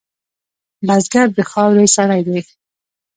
بزګر د خاورې سړی دی